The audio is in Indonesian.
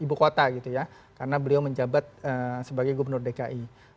di sekitar ibu kota karena beliau menjabat sebagai gubernur dki